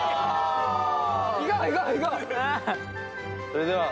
それでは。